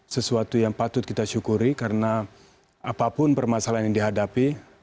sesuatu yang patut kita syukuri karena apapun permasalahan yang dihadapi